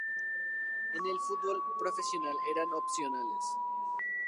En el fútbol profesional eran opcionales.